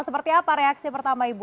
seperti apa reaksi pertama ibu